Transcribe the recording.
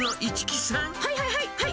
はいはいはい、はい！